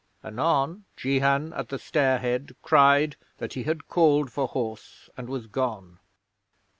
Anon Jehan, at the stair head, cried that he had called for horse, and was gone.